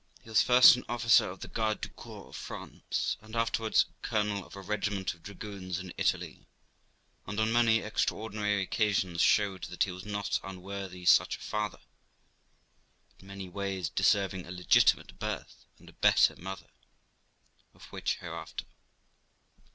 He was first an officer of the Garde du Corps of France, and afterwards colonel of a regiment of dragoons in Italy, and on many extraordinary occasions showed that he was not unworthy such a father, but many ways deserving a legitimate birth and a better mother; of which hereafter.